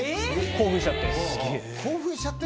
「興奮しちゃって」？